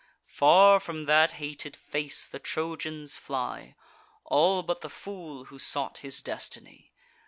Far from that hated face the Trojans fly, All but the fool who sought his destiny.